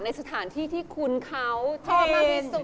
ในสถานที่ที่คุณเขาชอบมาพิสุ